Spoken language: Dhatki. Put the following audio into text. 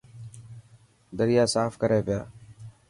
دريا صاف ڪري پيا.